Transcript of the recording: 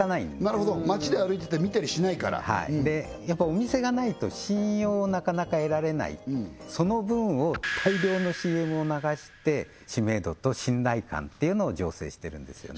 なるほど街で歩いてて見たりしないからお店がないと信用をなかなか得られないその分を大量のＣＭを流して知名度と信頼感っていうのを醸成してるんですよね